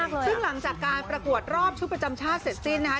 ซึ่งหลังจากการประกวดรอบชุดประจำชาติเสร็จสิ้นนะคะ